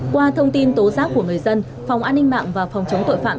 qua thông tin tố giác của người dân phòng an ninh mạng và phòng chống tội phạm